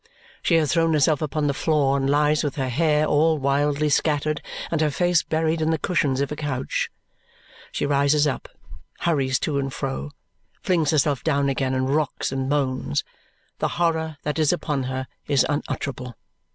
She has thrown herself upon the floor and lies with her hair all wildly scattered and her face buried in the cushions of a couch. She rises up, hurries to and fro, flings herself down again, and rocks and moans. The horror that is upon her is unutterable.